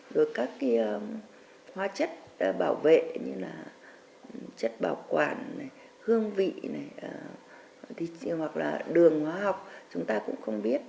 rồi các cái hóa chất bảo vệ như là chất bảo quản hương vị hoặc là đường hóa học chúng ta cũng không biết